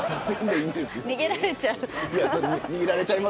逃げられちゃう。